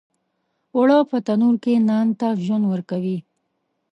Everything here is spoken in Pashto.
اوړه په تنور کې نان ته ژوند ورکوي